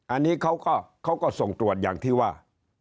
อันนี้เขาก็ส่งตรวจอย่างที่ว่า